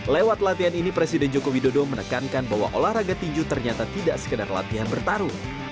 lewat latihan ini presiden joko widodo menekankan bahwa olahraga tinju ternyata tidak sekedar latihan bertarung